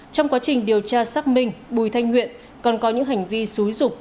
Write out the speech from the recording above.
trong quá trình điều tra xác minh bùi thanh huyện còn có những hành vi xúi rục